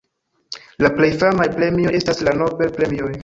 La plej famaj premioj estas la Nobel-premioj.